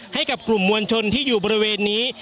ให้กับกลุ่มมวลชนที่อยู่บริเวณนี้